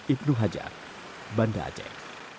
ibnu hajar banda aceh